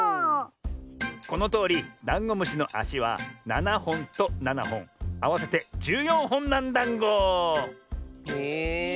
このとおりダンゴムシのあしは７ほんと７ほんあわせて１４ほんなんだんご。え。